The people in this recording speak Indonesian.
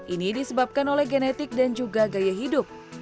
ini disebabkan oleh genetik dan juga gaya hidup